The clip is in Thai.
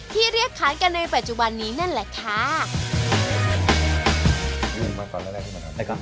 เรียกค้านกันในปัจจุบันนี้นั่นแหละค่ะ